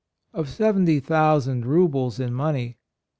Of seventy thousand rubles in money.